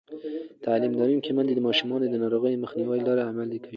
تعلیم لرونکې میندې د ماشومانو د ناروغۍ مخنیوي لارې عملي کوي.